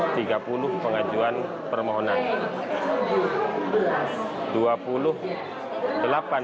tiga puluh pengajuan permohonan